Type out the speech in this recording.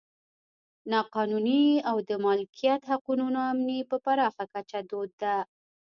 نا قانوني او د مالکیت حقونو نا امني په پراخه کچه دود ده.